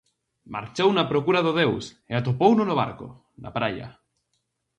Marchou na procura do deus, e atopouno no barco, na praia.